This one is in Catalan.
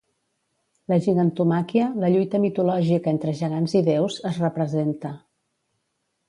La gigantomàquia, la lluita mitològica entre gegants i déus, es representa.